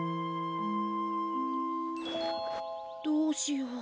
どうしよう